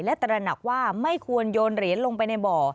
และตระหนักว่าไม่ควรโยนเหรียญลงไปในบ่อ